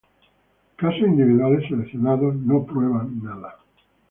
Casos individuales seleccionados no prueban nada.